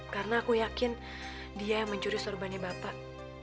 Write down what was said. karena aku yakin dia yang mencuri surbannya bapak